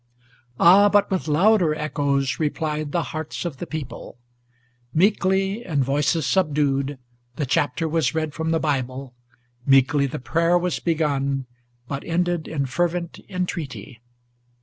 Ah! but with louder echoes replied the hearts of the people! Meekly, in voices subdued, the chapter was read from the Bible, Meekly the prayer was begun, but ended in fervent entreaty!